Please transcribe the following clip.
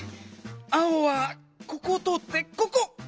青はここをとおってここ。